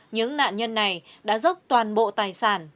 những nạn nhân này đã dốc toàn bộ tài sản